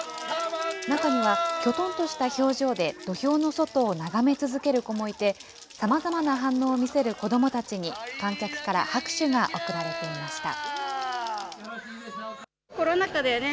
中には、きょとんとした表情で土俵の外を眺め続ける子もいて、さまざまな反応を見せる子どもたちに、観客から拍手が送られていました。